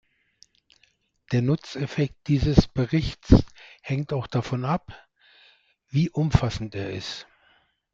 Der Nutzeffekt dieses Berichts hängt auch davon ab, wie umfassend er ist.